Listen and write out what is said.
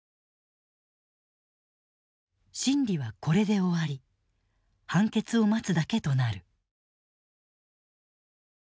審理はこれで終わり判決を待つだけとなる。